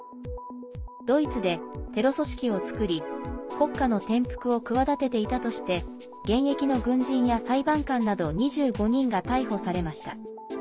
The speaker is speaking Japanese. ドイツでテロ組織をつくり国家の転覆を企てていたとして現役の軍人や裁判官など２５人が逮捕されました。